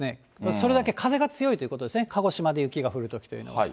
それだけ風が強いということですね、鹿児島で雪が降るときというのは。